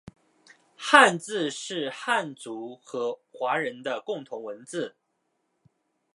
汉字是汉族或华人的共同文字